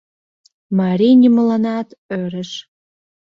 Марий нимоланат ӧреш.